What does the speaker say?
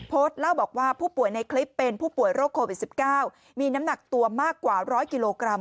เล่าบอกว่าผู้ป่วยในคลิปเป็นผู้ป่วยโรคโควิด๑๙มีน้ำหนักตัวมากกว่า๑๐๐กิโลกรัม